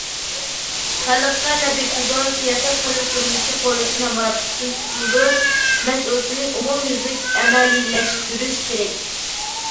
خەلققە نەپ يەتكۈزىدىغان سىياسەت، خەلق تۇرمۇشى قۇرۇلۇشى، نامراتلىقتىن قۇتۇلدۇرۇش مەسئۇلىيىتىنى ئومۇميۈزلۈك ئەمەلىيلەشتۈرۈش كېرەك.